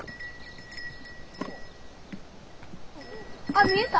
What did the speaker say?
あ見えた！